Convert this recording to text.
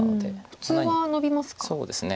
普通はノビますか。